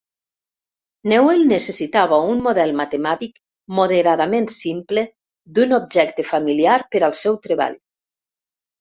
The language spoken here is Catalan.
Newell necessitava un model matemàtic moderadament simple d'un objecte familiar per al seu treball.